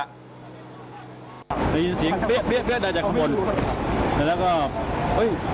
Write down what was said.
มันยินเสียงเปรี้ยะมาจากข้างบน